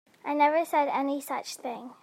I never said any such thing.